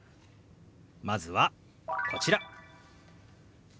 まずはこちら。